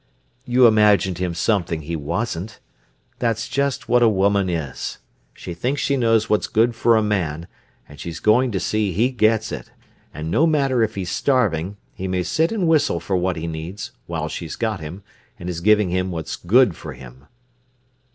"You imagined him something he wasn't. That's just what a woman is. She thinks she knows what's good for a man, and she's going to see he gets it; and no matter if he's starving, he may sit and whistle for what he needs, while she's got him, and is giving him what's good for him."